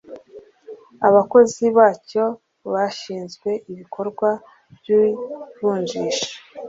abakozi bacyo bashinzwe ibikorwa by’ivunjisha